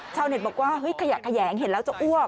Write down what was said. ชาวเน็ตบอกว่าเฮ้ยขยะเห็นแล้วจะอ้วก